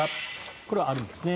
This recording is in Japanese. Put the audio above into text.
これはあるんですね。